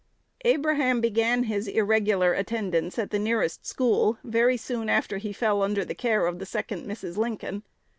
Abraham began his irregular attendance at the nearest school very soon after he fell under the care of the second Mrs. Lincoln.